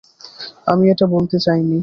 আমি এটা বলতে চাইনি।